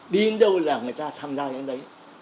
đi đến đâu là người ta tham gia đến đấy